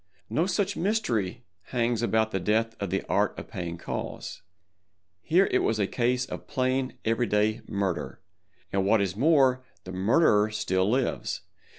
No such mystery hangs about the death of the Art of Paying Calls. Here it was a case of plain every day murder—and what is more, the murderer still lives.